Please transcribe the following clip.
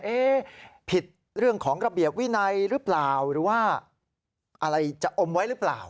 ผิดเรื่องของระเบียบวินัยหรือเปล่าหรือว่าอะไรจะอมไว้หรือเปล่า